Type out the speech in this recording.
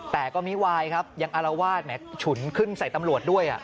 แต่ก็มิวายครับยังอารวาสแม้ฉุนขึ้นใส่ตำรวจด้วย